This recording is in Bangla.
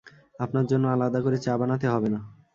আপনার জন্যে আলাদা করে চা বানাতে হবে না।